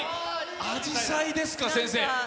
あじさいですか、先生。